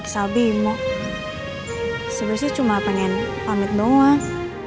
kamu sebenernya cuma pengen pamit doang